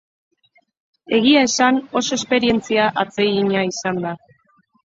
Egia esan oso esperientzia atsegina izan da.